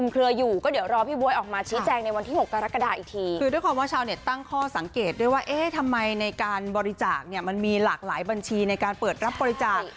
เพราะว่าชาวเน็ตตั้งข้อสังเกตด้วยว่าทำไมในการบริจาคมันมีหลากหลายบัญชีในการเปิดรับบริจาค